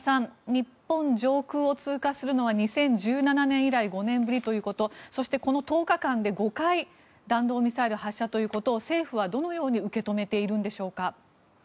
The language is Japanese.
日本上空を通過するのは２０１７年以来５年ぶりということそしてこの１０日間で５回弾道ミサイル発射ということを政府はどのように受け止めているんでしょうか。